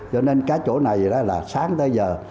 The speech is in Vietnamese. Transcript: cho nên cả chỗ này là sáng tới giờ